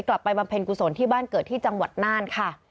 บำเพ็ญกุศลที่บ้านเกิดที่จังหวัดน่านค่ะ